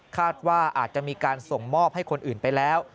คาดว่าอาจจะมีการส่งมอบให้คนอื่นไปแล้ว